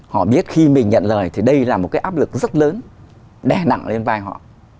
họ biết khi mình nhận lời thì đây là một cái áp lực rất lớn đè nặng lên vai họ